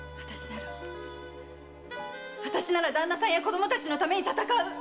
あたしなら旦那さんや子どもたちのために闘う！